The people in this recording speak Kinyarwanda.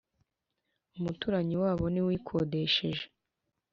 umuturanyi wabo niwe uyikodesheje.